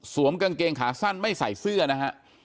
กางเกงขาสั้นไม่ใส่เสื้อนะฮะ